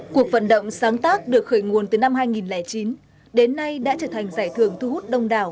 cuộc vận động sáng tác được khởi nguồn từ năm hai nghìn chín đến nay đã trở thành giải thưởng thu hút đông đảo